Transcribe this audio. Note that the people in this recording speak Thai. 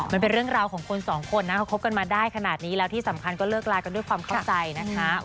มันเป็นเรื่องราวของคนสองคนนะเขาคบกันมาได้ขนาดนี้แล้วที่สำคัญก็เลิกลากันด้วยความเข้าใจนะคะ